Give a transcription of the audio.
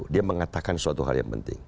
dia mengatakan suatu hal yang penting